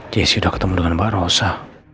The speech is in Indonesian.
jessi udah ketemu dengan mbak rosa